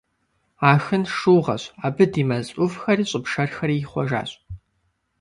Ахын шыугъэщ, абы ди мэз Ӏувхэри щӀы пшэрхэри ихъуэжащ.